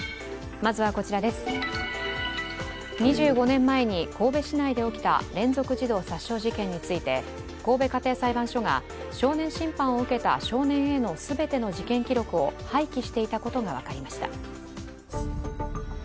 ２５年前に神戸市内で起きた連続児童殺傷事件について神戸家庭裁判所が少年審判を受けた少年Ａの全ての事件記録を廃棄していたことが分かりました。